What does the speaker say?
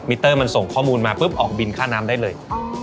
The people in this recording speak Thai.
เตอร์มันส่งข้อมูลมาปุ๊บออกบินค่าน้ำได้เลย